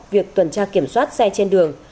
việc tuần tra kiểm soát xe trên đường